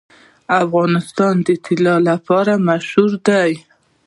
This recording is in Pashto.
افغانستان د طلا لپاره مشهور دی.